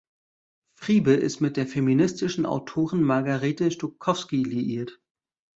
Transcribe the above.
Friebe ist mit der feministischen Autorin Margarete Stokowski liiert.